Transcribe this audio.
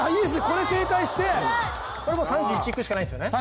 これ正解してこれもう３１いくしかないんですよね